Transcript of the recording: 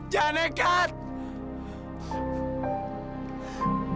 jangan naik kartu